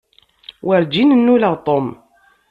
Werǧin nnuleɣ Tom.